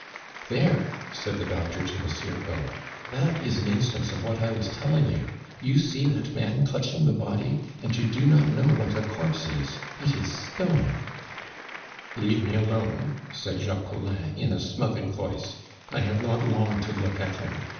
"There," said the doctor to Monsieur Gault, "that is an instance of what I was telling you. You see that man clutching the body, and you do not know what a corpse is; it is stone " "Leave me alone!" said Jacques Collin in a smothered voice; "I have not long to look at him.